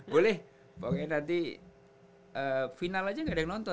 boleh pokoknya nanti final aja nggak ada yang nonton